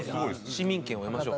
市民権を得ましょう。